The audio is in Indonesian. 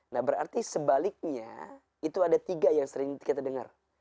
nah berarti sebaliknya itu ada tiga yang sering kita dengar